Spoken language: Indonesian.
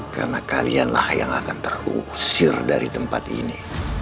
karena kalian lah yang akan terusir dari tempat ini